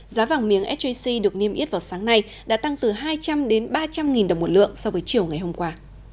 giá vàng miếng sjc được niêm yết vào sáng nay đã tăng từ hai trăm linh đến ba trăm linh nghìn đồng một lượng so với chiều ngày hôm qua